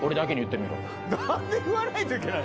何で言わないといけない？